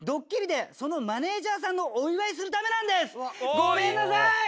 「ごめんなさい！」。